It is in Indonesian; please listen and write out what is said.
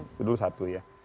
itu dulu satu ya